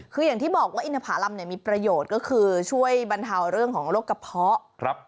คืออย่างที่บอกว่าอินทภารำเนี่ยมีประโยชน์ก็คือช่วยบรรเทาเรื่องของโรคกระเพาะ